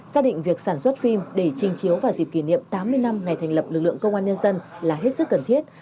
xác định việc sản xuất phim để trình chiếu vào dịp kỷ niệm tám mươi năm ngày thành lập lực lượng công an nhân dân là hết sức cần thiết